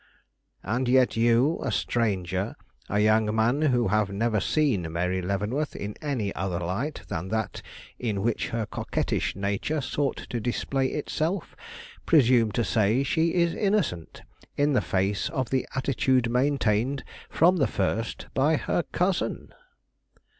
"And yet you, a stranger, a young man who have never seen Mary Leavenworth in any other light than that in which her coquettish nature sought to display itself, presume to say she is innocent, in the face of the attitude maintained from the first by her cousin!"